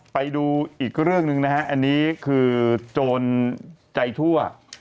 ไปดูอีกเรื่องหนึ่งนะฮะอันนี้คือโจรใจทั่ว